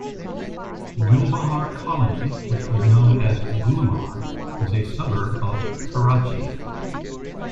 Gulbahar Colony, which was known as Golimar, is a suburb of Karachi.